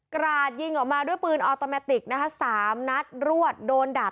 ราดยิงออกมาด้วยปืนออโตแมติกนะคะสามนัดรวดโดนดาบ